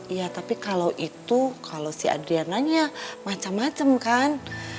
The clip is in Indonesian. iya tapi kalau itu kalau si adriananya macam macam kan